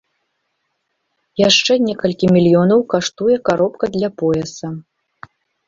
Яшчэ некалькі мільёнаў каштуе каробка для пояса.